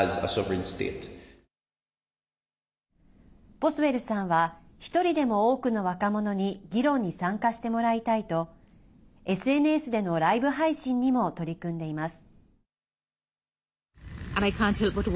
ボスウェルさんは１人でも多くの若者に議論に参加してもらいたいとＳＮＳでのライブ配信にも取り組んでいます。